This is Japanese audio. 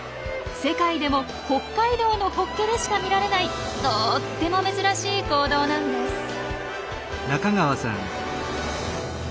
世界でも北海道のホッケでしか見られないとっても珍しい行動なんです。